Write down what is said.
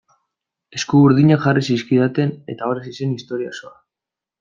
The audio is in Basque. Eskuburdinak jarri zizkidaten eta hor hasi zen historia osoa.